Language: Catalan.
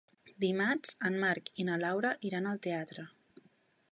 Dimarts en Marc i na Laura iran al teatre.